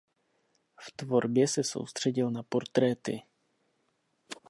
V tvorbě se soustředil na portréty.